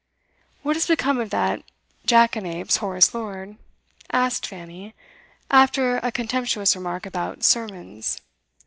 'What has become of that jackanapes, Horace Lord?' asked Fanny, after a contemptuous remark about 'sermons.